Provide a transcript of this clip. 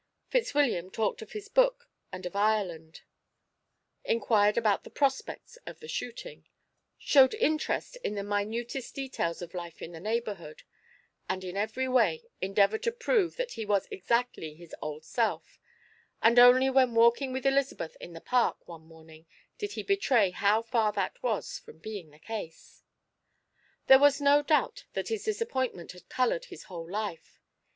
Fitzwilliam talked of his book and of Ireland, inquired about the prospects of the shooting, showed interest in the minutest details of life in the neighbourhood, and in every way endeavoured to prove that he was exactly his old self; and only when walking with Elizabeth in the Park one morning did he betray how far that was from being the case. There was no doubt that his disappointment had coloured his whole life.